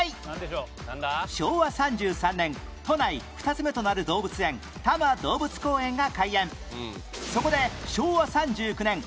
昭和３３年都内２つ目となる動物園多摩動物公園が開園